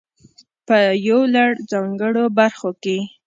په يو لړ ځانګړو برخو کې.